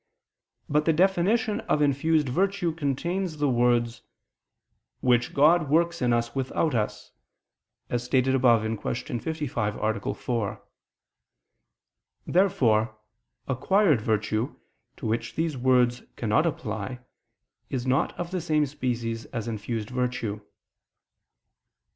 But the definition of infused virtue contains the words, "which God works in us without us," as stated above (Q. 55, A. 4). Therefore acquired virtue, to which these words cannot apply, is not of the same species as infused virtue.